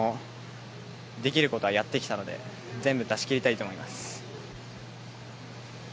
できることはやってきたので全部出しきりたいと思います。